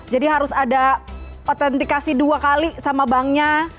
jadi harus ada otentikasi dua kali sama banknya